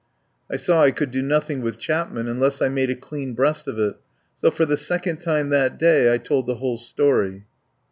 I saw I could do nothing with Chapman unless I made a clean breast of it, so for the second time that day I told the whole story.